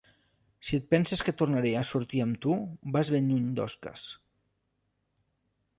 Si et penses que tornaré a sortir amb tu, vas ben lluny d'osques.